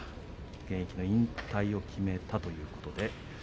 現役の引退を決めたということです。